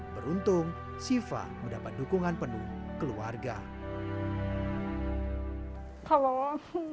beruntung siva mendapat dukungan penuh keluarga kalau